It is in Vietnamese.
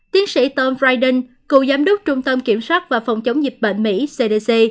tiến sĩ tom fridan cựu giám đốc trung tâm kiểm soát và phòng chống dịch bệnh mỹ cdc